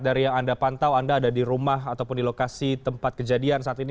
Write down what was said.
dari yang anda pantau anda ada di rumah ataupun di lokasi tempat kejadian saat ini